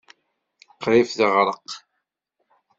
Qrib teɣreq.